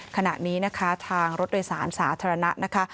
ขณะนี้นะคะทางรถโดยสารสาธารณะนะคะ